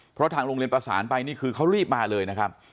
เพราะทางโรงเรียนประสานไปนี่คือเขารีบมาเลยนะครับ